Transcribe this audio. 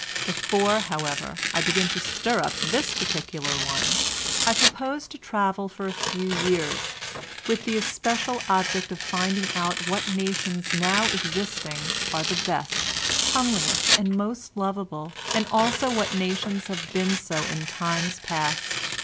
Before, however, I begin to stir up this particular one I propose to travel for a few years, with the especial object of finding out what nations now existing are the best, comeliest and most lovable, and also what nations have been so in times past.